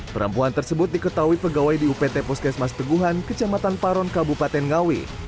perempuan tersebut diketahui pegawai di upt puskesmas teguhan kecamatan paron kabupaten ngawi